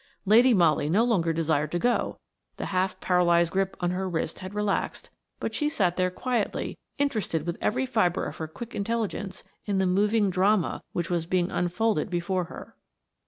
Lady Molly no longer desired to go; the half paralysed grip on her wrist had relaxed, but she sat there quietly, interested with every fibre of her quick intelligence in the moving drama which was being unfolded before her.